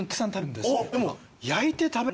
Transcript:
でも。